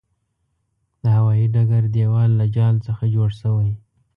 د هوايې ډګر دېوال له جال څخه جوړ شوی.